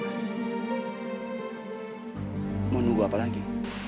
mau menunggu apa lagi